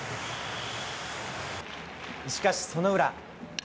しかし、その裏。